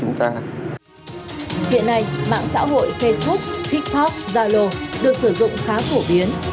hiện nay mạng xã hội facebook tiktok zalo được sử dụng khá phổ biến